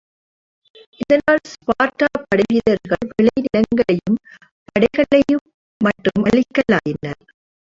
இதனால் ஸ்பார்ட்டா படைவீரர்கள் விளநிலங்களையும் படைகளையுமட்டும் அழிக்கலாயினர்.